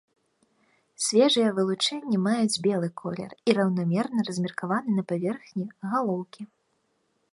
Свежыя вылучэнні маюць белы колер і раўнамерна размеркаваны на паверхні галоўкі.